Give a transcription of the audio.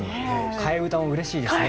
替え歌もうれしいですね。